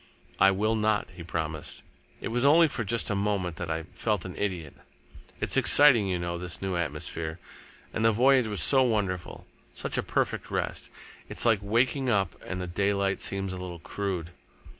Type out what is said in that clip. "I will not," he promised. "It was only for just a moment that I felt an idiot. It's exciting, you know, this new atmosphere, and the voyage was so wonderful, such a perfect rest. It's like waking up, and the daylight seems a little crude."